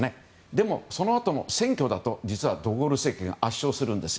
でもそのあとも選挙だと実はド・ゴール政権が圧勝するんです。